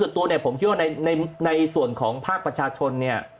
ตัวเนี่ยผมคิดว่าในส่วนของภาคประชาชนเนี่ย